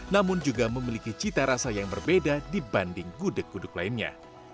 namun juga memiliki cita rasa yang berbeda dibanding gudeg gudeg lainnya